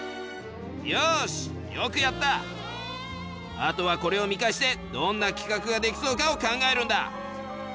あとはこれを見返してどんな企画ができそうかを考えるんだ。